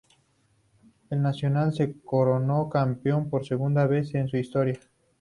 El Nacional se coronó campeón por segunda vez en su historia.